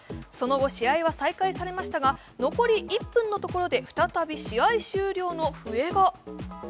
その後、試合は再開されましたが、残り１分のところで再び試合終了の笛が。